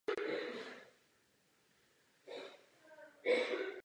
V určitém ohledu to považuji za úžasné.